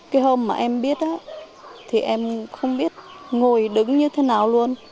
cái hôm mà em biết thì em không biết ngồi đứng như thế nào luôn